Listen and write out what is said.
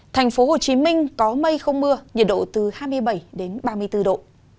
thành phố hồ chí minh có mây không mưa nhiệt độ từ hai mươi bảy đến ba mươi bốn độ